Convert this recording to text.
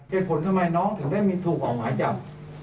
ทำไมน้องถึงได้มีถูกออกหมายจับ